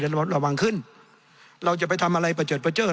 ระวังขึ้นเราจะไปทำอะไรประเจิดประเจิด